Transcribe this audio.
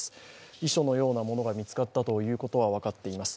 遺書のようなものが見つかったということは分かっています。